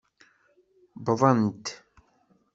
Wwḍent.